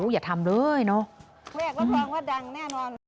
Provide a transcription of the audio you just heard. อย่าทำเลยเนอะ